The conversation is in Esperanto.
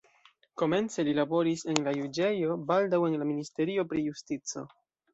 Komence li laboris en la juĝejo, baldaŭ en la ministerio pri justico.